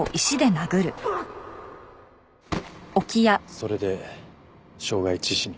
それで傷害致死に。